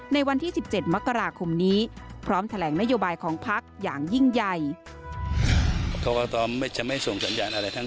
ในวันที่๑๗มกราคมนี้พร้อมแถลงนโยบายของพักอย่างยิ่งใหญ่